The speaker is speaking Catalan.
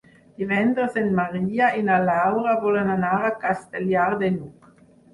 Divendres en Maria i na Laura volen anar a Castellar de n'Hug.